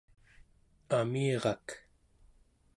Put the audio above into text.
amirak